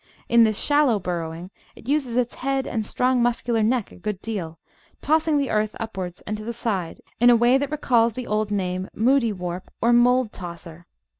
In this shallow burrow ing, it uses its head and strong muscular neck a good deal, tossing the earth upwards and to the side, in a way that recalls the old name "moudie warp" or "mould tosser."